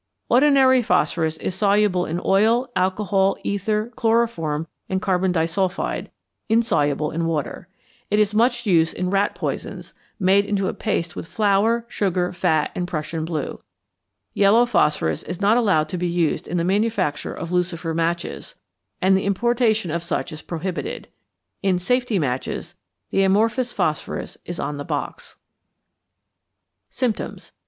Ordinary phosphorus is soluble in oil, alcohol, ether, chloroform, and carbon disulphide; insoluble in water. It is much used in rat poisons, made into a paste with flour, sugar, fat, and Prussian blue. Yellow phosphorus is not allowed to be used in the manufacture of lucifer matches, and the importation of such is prohibited. In 'safety' matches the amorphous phosphorus is on the box. _Symptoms.